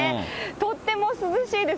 とっても涼しいです。